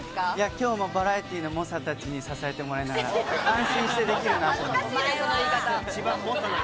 きょうもバラエティーの猛者たちに支えてもらいながら、安心してできるなと思って。